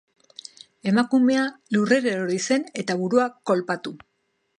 Emakumea lurrera erori zen, eta burua kolpatu.